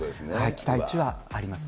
期待値はありますね。